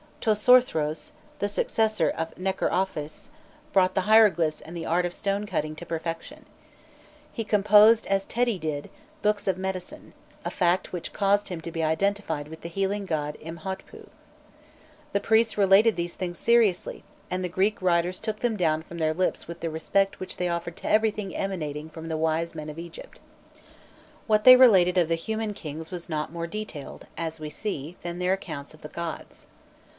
Tosorthros, the successor of Necherophes, brought the hieroglyphs and the art of stone cutting to perfection. He composed, as Teti did, books of medicine, a fact which caused him to be identified with the healing god Imhotpu. The priests related these things seriously, and the Greek writers took them down from their lips with the respect which they offered to everything emanating from the wise men of Egypt. What they related of the human kings was not more detailed, as we see, than their accounts of the gods.